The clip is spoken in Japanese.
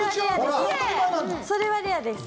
それはレアです。